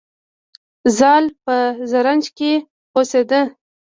زال په زرنج کې اوسیده